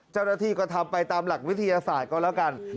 เจ้าหน้าที่ก็ทำไปตามหลักวิทยาศาสตร์ก็แล้วกัน